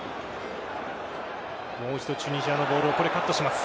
もう一度チュニジアのボールをカットします。